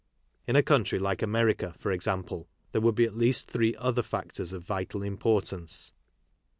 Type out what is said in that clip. In a country like America, for example, there would be at least three other factors of vital im portance.